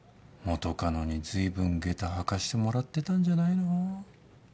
元カノに随分げた履かしてもらってたんじゃないの？